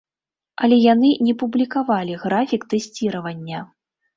Але яны не публікавалі графік тэсціравання.